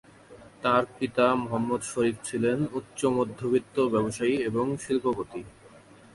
তার পিতা মুহাম্মদ শরীফ ছিলেন উচ্চ-মধ্যবিত্ত ব্যবসায়ী এবং শিল্পপতি।